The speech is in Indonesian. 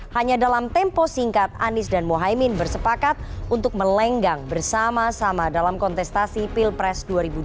hanya dalam tempo singkat anies dan mohaimin bersepakat untuk melenggang bersama sama dalam kontestasi pilpres dua ribu dua puluh